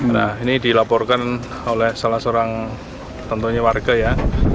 nah ini dilaporkan oleh salah seorang tentunya warga ya